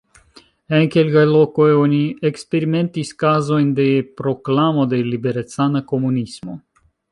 En kelkaj lokoj oni eksperimentis kazojn de proklamo de liberecana komunismo.